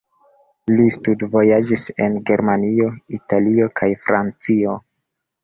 Li studvojaĝis en Germanio, Italio kaj Francio.